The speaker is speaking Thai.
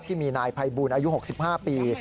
ที่มีนายภัยบูลอายุ๖๕ปี